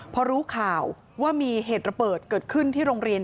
พอรู้ข่าวว่ามีเหตุระเบิดเกิดขึ้นที่โรงเรียน